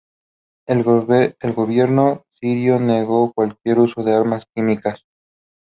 El gobierno sirio negó cualquier uso de armas químicas.